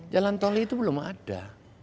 jalan tol itu belum ada